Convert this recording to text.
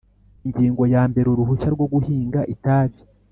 Ingingo ya mbere Uruhushya rwo guhinga itabi